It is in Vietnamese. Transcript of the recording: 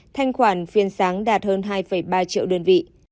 thanh khoản phiên sáng đạt hơn hai ba triệu đơn vị